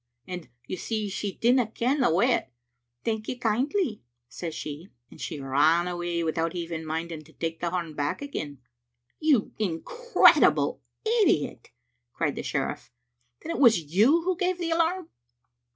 Ay, you see she didna ken the way o't. * Thank you kindly,' says she, and she ran awa without even minding to take the horn back again. " "You incredible idiot!" cried the sheriff. "Then it was you who gave the alarm?"